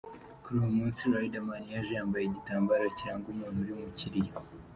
Kuri uwo munsi Riderman, yaje yambaye igitambaro kiranga umuntu uri mu kiriyo.